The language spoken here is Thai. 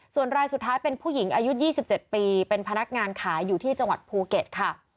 ส่วนรายสุดท้ายเป็นผู้หญิงอายุ๒๗ปีเป็นพนักงานขายอยู่ที่จังหวัดภูเก็ตค่ะ